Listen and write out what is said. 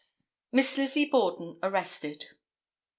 Miss Lizzie Borden Arrested.